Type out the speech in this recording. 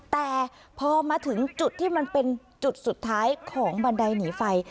แต่พอมาถึงจุดที่มันเป็นจุดสุดท้ายของบันไดหนีไฟ